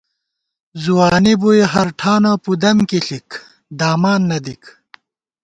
ځوانی بُوئی ، ہر ٹھانہ پُدم کی ݪِک، دامان نہ دِک